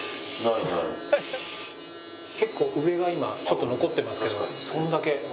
結構上が今ちょっと残ってますけどこんだけ。